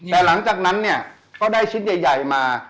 แต่หลังจากนั้นเนี่ยก็ได้ชิ้นใหญ่มา